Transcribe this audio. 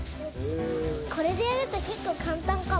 これでやると結構簡単かも。